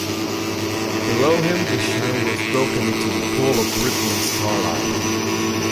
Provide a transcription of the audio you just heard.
Below him the shadow was broken into a pool of rippling starlight.